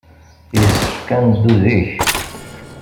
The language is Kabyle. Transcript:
Yessefk ad neddu zik.